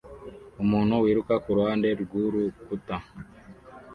Umuntu wiruka kuruhande rwurukuta